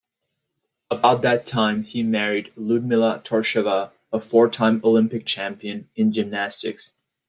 About that time, he married Ludmilla Tourischeva, a four-time Olympic champion in gymnastics.